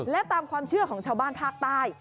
และตามความเชื่อของชาวบ้านภาคใต้